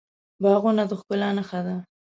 باغونه د ښکلا نښه ده.